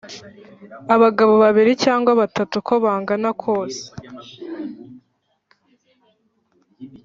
Abagabo babiri cyangwa batatu uko bangana kose